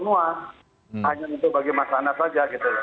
hanya itu bagi mas anas saja gitu